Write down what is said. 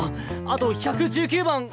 あと１１９番。